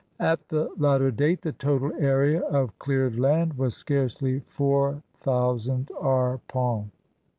At the latter date the total area of cleared land was scarcely four thousand arpents.